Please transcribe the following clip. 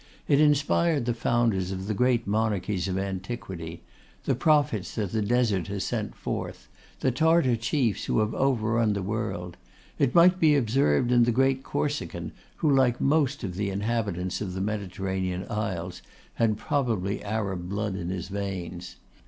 It inspired the founders of the great monarchies of antiquity, the prophets that the Desert has sent forth, the Tartar chiefs who have overrun the world; it might be observed in the great Corsican, who, like most of the inhabitants of the Mediterranean isles, had probably Arab blood in his veins.